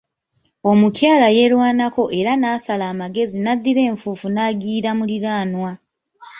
Omukyala yeerwanako era naasala amagezi naddira enfuufu naagiyiira muliraanwa.